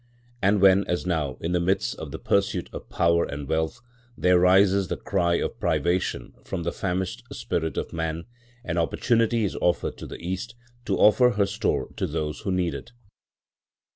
And when, as now, in the midst of the pursuit of power and wealth, there rises the cry of privation from the famished spirit of man, an opportunity is offered to the East to offer her store to those who need it.